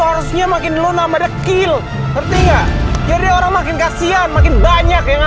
harusnya makin lu nama dekil seperti enggak jadi orang makin kasihan makin banyak yang